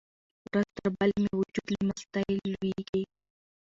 ورځ تر بلې مې وجود له مستۍ لویږي.